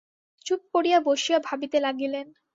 চুপ করিয়া বসিয়া ভাবিতে লাগিলেন।